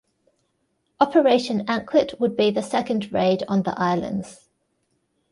Operation Anklet would be the second raid on the islands.